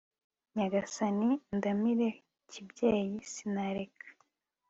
nyagasani undamira kibyeyi sinareka